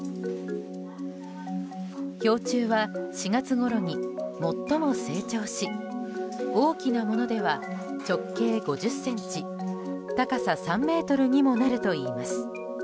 氷柱は４月ごろに最も成長し大きなものでは、直径５０ｃｍ高さ３ｍにもなるといいます。